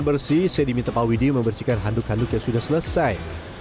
sedikit airnya sudah bersih saya diminta pak widy membersihkan handuk handuk yang sudah selesai